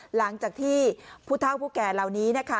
หลังจากที่ผู้เท่าผู้แก่เหล่านี้นะคะ